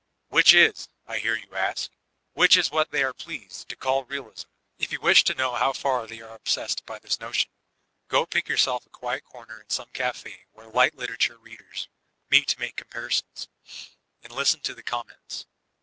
''Which isr—l hear you ask. Which is wfiat they are pleased to call "Realism." If you wish to know how far they are obsessed by this notion, go pick yourself a quiet comer in some cafi where light literature readers meet to make comparisons, and listen to the comments.